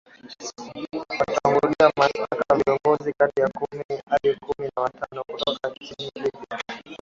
tawafungulia mashitaka viongozi kati ya kumi hadi kumi na watano kutoka nchini libya